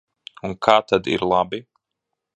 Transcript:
Un kā tad ir labi?